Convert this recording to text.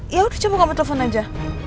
ya udah cepet kamu telfon aja